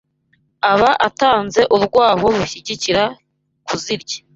aba atanze urwaho rushyigikira kuzirya